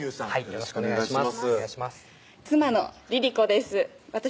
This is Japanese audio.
よろしくお願いします